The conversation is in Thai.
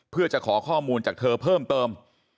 เพื่อจะขอข้อมูลจากเธอเพิ่มเติม